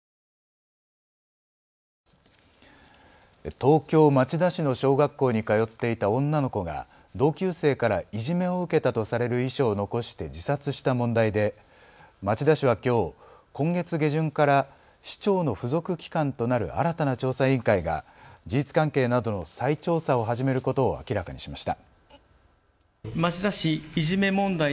東京町田市の小学校に通っていた女の子が同級生からいじめを受けたとされる遺書を残して自殺した問題で町田市はきょう、今月下旬から市長の付属機関となる新たな調査委員会が事実関係などの再調査を始めることを明らかにしました。